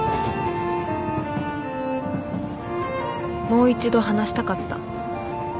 もう一度話したかった